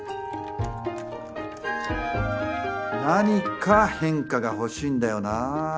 何か変化が欲しいんだよな。